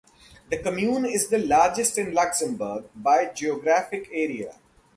The commune is the largest in Luxembourg by geographic area.